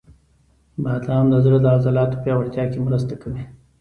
• بادام د زړه د عضلاتو پیاوړتیا کې مرسته کوي.